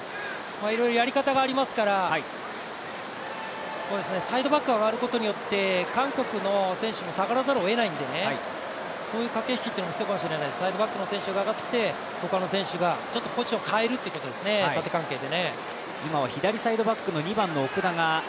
いろいろやり方がありますから、サイドバックが上がることによって韓国の選手も下がらざるを得ないので、そういう駆け引きも必要かもしれない、サイドバックの選手が上がって、ほかの選手がポジション変えるということですね、縦関係で。